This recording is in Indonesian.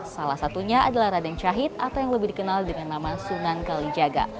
salah satunya adalah raden syahid atau yang lebih dikenal dengan nama sunan kalijaga